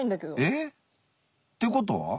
えっ？っていうことは？